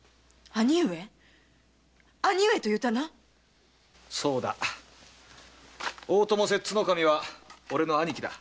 「兄上」と言うたな⁉そうだ大友摂津守は俺の兄貴だ。